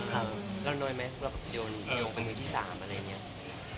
แล้อน่อยไหมกับยงสารที่๓